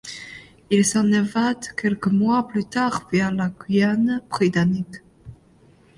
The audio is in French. Il s'en évade quelques mois plus tard via la Guyane britannique.